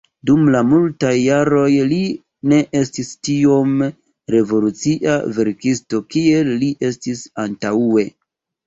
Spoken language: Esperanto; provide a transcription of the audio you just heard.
Dum multaj jaroj li ne estis tiom revolucia verkisto kiel li estis antaŭe.